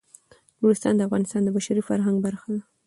نورستان د افغانستان د بشري فرهنګ برخه ده.